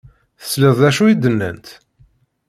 Tesliḍ d acu i d-nnant?